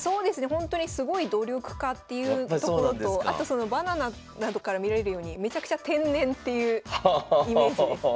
ほんとにすごい努力家っていうところとあとそのバナナなどから見られるようにめちゃくちゃ天然っていうイメージです。